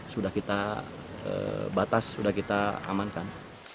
sudah kita batas sudah kita amankan